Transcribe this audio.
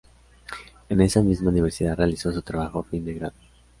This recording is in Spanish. En esa misma universidad realizó su trabajo fin de grado.